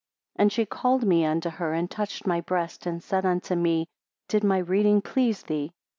31 And she called me unto her, and touched my breast, and said unto me, Did my reading please thee?